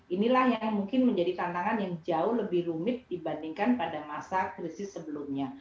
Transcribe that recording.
inilah yang mungkin menjadi tantangan yang jauh lebih rumit dibandingkan pada masa krisis sebelumnya